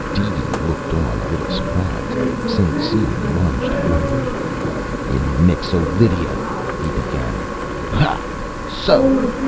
DeeDee looked on, a little surprised. St. Cyr lunged forward. "In Mixo Lydia " he began. "Ha! So!"